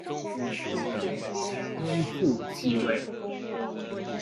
周共王繄扈继位。